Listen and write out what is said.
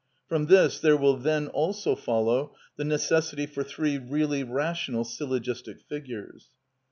From this there will then also follow the necessity for three really rational syllogistic figures.